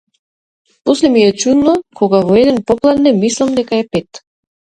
После ми е чудно кога во еден попладне мислам дека е пет.